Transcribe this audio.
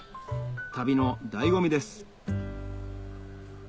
旅の醍醐味です